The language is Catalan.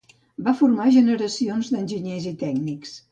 Va formar generacions d'enginyers i tècnics.